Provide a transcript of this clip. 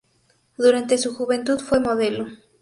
Durante su juventud fue modelo.